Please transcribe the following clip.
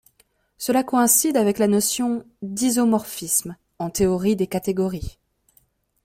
Cela coïncide avec la notion d'isomorphisme en théorie des catégories.